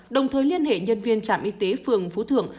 đồng thời liên hệ nhân viên trạm y tế phường phú thượng